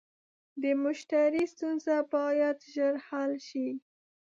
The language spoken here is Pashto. د مشتری ستونزه باید ژر حل شي.